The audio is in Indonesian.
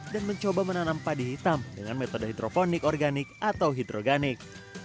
dan mencoba menanam padi hitam dengan metode hidroponik organik atau hidroganik